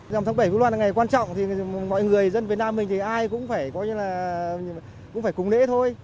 dằm tháng bảy vu lan là ngày quan trọng thì mọi người dân việt nam mình thì ai cũng phải cùng lễ thôi